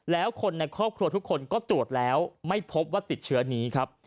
แล้วคนในครอบครัวทุกคนก็ตรวจแล้วไม่พบว่าติดเชื้อนี้ครับ